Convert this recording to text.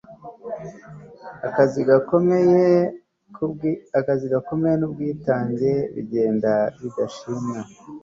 akazi gakomeye nubwitange bigenda bidashimwa